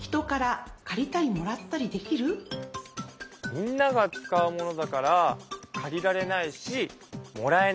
みんなが使うものだから借りられないしもらえない。